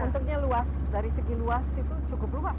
bentuknya luas dari segi luas itu cukup luas